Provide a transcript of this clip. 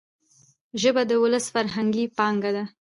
ژبه د ولس فرهنګي پانګه ده.